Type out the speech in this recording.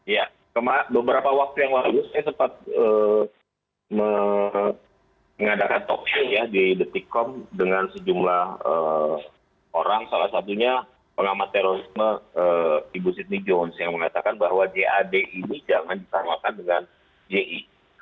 ya beberapa waktu yang lalu saya sempat mengadakan talky ya di detikkom dengan sejumlah orang salah satunya pengamat terorisme ibu sidney johns yang mengatakan bahwa jad ini jangan disamakan dengan ji